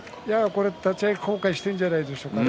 これは立ち合い後悔しているんじゃないですかね。